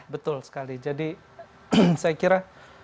betul sekali jadi saya kira